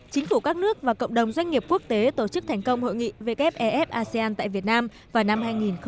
chính phủ các nước và cộng đồng doanh nghiệp quốc tế tổ chức thành công hội nghị wef asean tại việt nam vào năm hai nghìn hai mươi